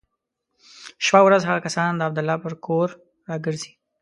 شپه او ورځ هغه کسان د عبدالله پر کور را ګرځي.